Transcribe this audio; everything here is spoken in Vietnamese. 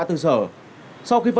thưa quý vị